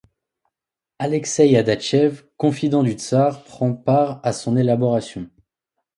Alexeï Adachev, confident du Tsar, prend part à son élaboration.